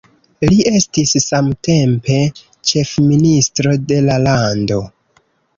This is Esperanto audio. Li estis samtempe ĉefministro de la lando.